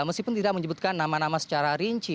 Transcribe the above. meskipun tidak menyebutkan nama nama secara rinci